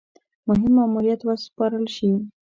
مهم ماموریت وسپارل شي.